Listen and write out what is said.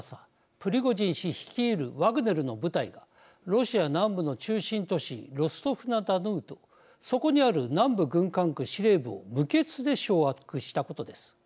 プリゴジン氏率いるワグネルの部隊がロシア南部の中心都市ロストフ・ナ・ドヌーとそこにある南部軍管区司令部を無血で掌握したことです。